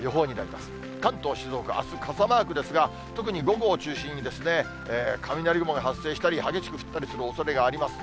関東、静岡、あす、傘マークですが、特に午後を中心に、雷雲が発生したり、激しく降ったりするおそれがあります。